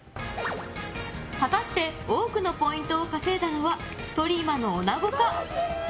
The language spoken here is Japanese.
果たして多くのポイントを稼いだのはトリマのおなごか？